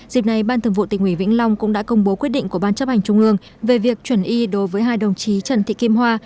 dịp này ban thường vụ tỉnh ủy vĩnh long cũng đã công bố quyết định của ban chấp hành trung ương về việc chuẩn y đối với hai đồng chí trần thị kim hoa